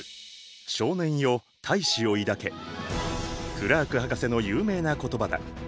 クラーク博士の有名な言葉だ。